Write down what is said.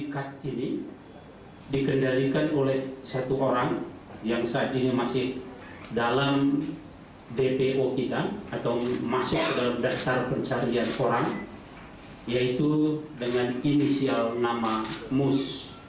ketujuh tersangka yang diperlukan adalah bpo kita atau masuk ke dalam dasar pencarian korang yaitu dengan inisial nama mus